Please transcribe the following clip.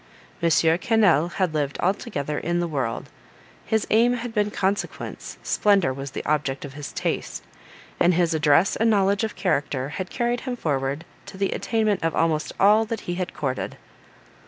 M. Quesnel had lived altogether in the world; his aim had been consequence; splendour was the object of his taste; and his address and knowledge of character had carried him forward to the attainment of almost all that he had courted.